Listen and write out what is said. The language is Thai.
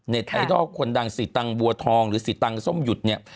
เน็ตไอดอลคนดังศิตังบัวทองศิตังส้มหยุดเนี่ย